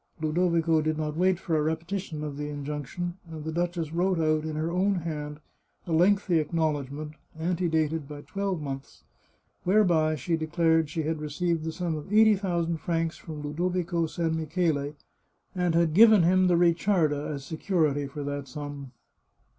Ludo vico did not wait for a repetition of the injunction, and the duchess wrote out, in her own hand, a lengthy acknowledg ment, antedated by twelve months, whereby she declared she had received the sum of eighty thousand francs from Ludo vico San Michele, and had given him the Ricciarda as se curity for that sum.